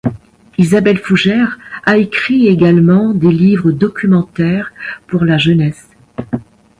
Isabelle Fougère a écrit également des livres documentaires pour la jeunesse.